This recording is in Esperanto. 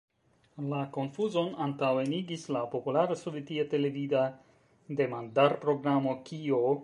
La konfuzon antaŭenigis la populara sovetia televida demandar-programo "Kio?